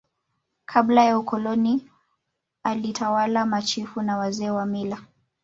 Kabla ya Ukoloni walitawala Machifu na Wazee wa mila